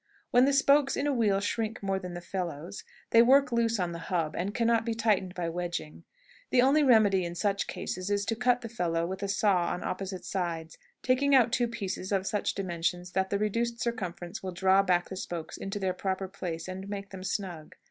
When the spokes in a wheel shrink more than the felloes, they work loose in the hub, and can not be tightened by wedging. The only remedy in such cases is to cut the felloe with a saw on opposite sides, taking out two pieces of such dimensions that the reduced circumference will draw back the spokes into their proper places and make them snug.